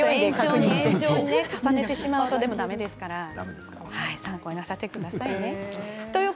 延長に延長を重ねてしまうとだめですから参考になさってくださいね。